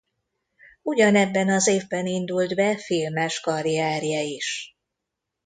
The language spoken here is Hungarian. Ugyanebben az évben indult be filmes karrierje is.